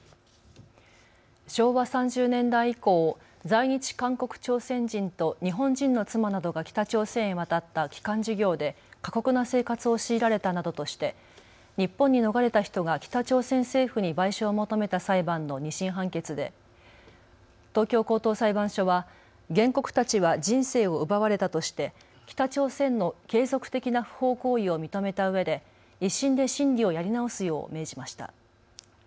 昭和３０年代以降、在日韓国・朝鮮人と日本人の妻などが北朝鮮へ渡った帰還事業で過酷な生活を強いられたなどとして日本に逃れた人が北朝鮮政府に賠償を求めた裁判の２審判決で東京高等裁判所は原告たちは人生を奪われたとして北朝鮮の継続的な不法行為を認めたうえで、１審で審理をやり直すよう命じました。